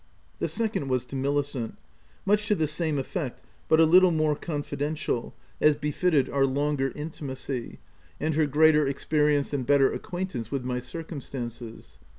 The second was to Milicent ; much to the same effect, but a little more confidential, as 108 THE TENANT befitted our longer intimacy, and her greater experience and better acquaintance with my circumstances.